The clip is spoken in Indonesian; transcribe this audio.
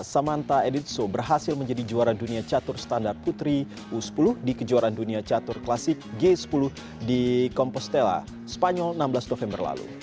samanta editso berhasil menjadi juara dunia catur standar putri u sepuluh di kejuaraan dunia catur klasik g sepuluh di compostella spanyol enam belas november lalu